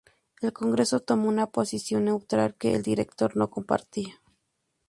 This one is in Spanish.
El Congreso tomó una posición neutral que el director no compartía.